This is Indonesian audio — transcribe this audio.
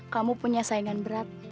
kamu punya saingan berat